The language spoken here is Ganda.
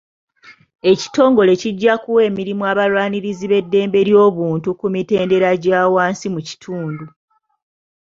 Ekitongole kijja kuwa emirimu abalwanirizi b'eddembe ly'obuntu ku mitendera egya wansi mu kitundu.